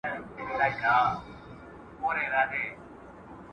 استاد پسرلی د پښتو د عروضي شعر یو پیاوړی ستون و.